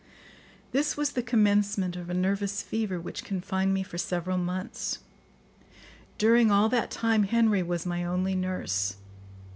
This was the commencement of a nervous fever which confined me for several months. During all that time Henry was my only nurse.